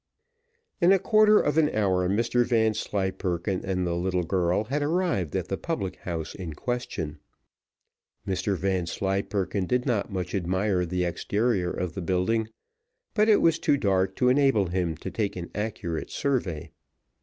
In a quarter of an hour Mr Vanslyperken and the little girl had arrived at the public house in question. Mr Vanslyperken did not much admire the exterior of the building, but it was too dark to enable him to take an accurate survey.